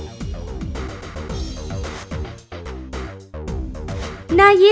จุดที่๓รวมภาพธนบัตรที่๙